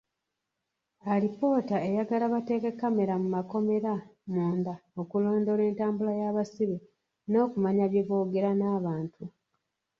Alipoota eyagala bateeke kkamera mu makomera munda okulondoola entambula y'abasibe n'okumanya bye boogera n'abantu.